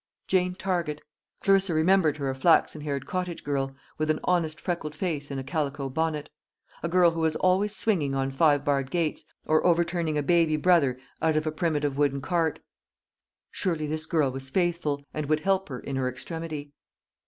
Jane Target, Clarissa remembered her a flaxen haired cottage girl, with an honest freckled face and a calico bonnet; a girl who was always swinging on five barred gates, or overturning a baby brother out of a primitive wooden cart surely this girl was faithful, and would help her in her extremity.